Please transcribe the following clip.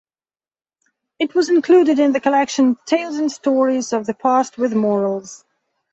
It was included in the collection Tales and Stories of the Past with Morals.